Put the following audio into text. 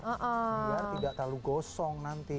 ya tidak terlalu gosong nanti